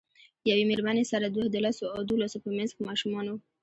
یوې میرمنې سره دوه د لسو او دولسو په منځ ماشومان وو.